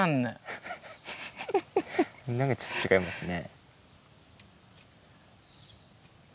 何かちょっと違いますね。